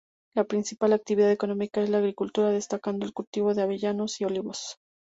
La principal actividad económica es la agricultura, destacando el cultivo de avellanos y olivos.